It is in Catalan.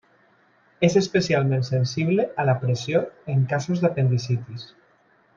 És especialment sensible a la pressió en casos d'apendicitis.